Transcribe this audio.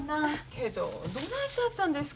けどどないしはったんですか？